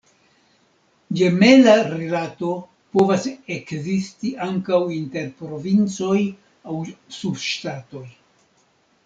Ĝemela rilato povas ekzisti ankaŭ inter provincoj aŭ subŝtatoj.